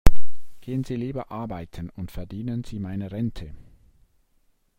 Gehen Sie lieber arbeiten und verdienen Sie meine Rente!